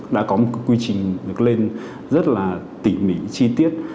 đã có một quy trình được lên rất là tỉ mỉ chi tiết